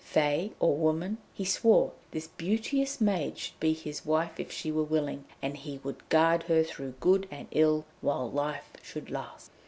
Fée or woman, he swore, this beauteous maid should be his wife if she were willing, and he would guard her through good and ill while life should last.